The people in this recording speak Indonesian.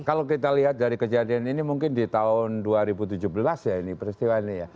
kalau kita lihat dari kejadian ini mungkin di tahun dua ribu tujuh belas ya ini peristiwa ini ya